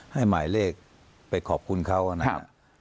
ให้หมายเลขไปขอบคุณเขาอันนั้น